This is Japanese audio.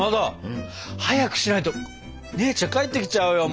うん？早くしないと姉ちゃん帰ってきちゃうよ。